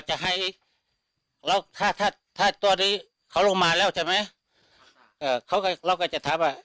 จะให้เราถ้าถ้าถ้าตัวนี้เขารุมาแล้วใช่ไหมเออเขาเราก็จะทำอ่ะ